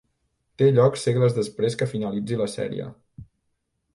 Té lloc segles després que finalitzi la sèrie.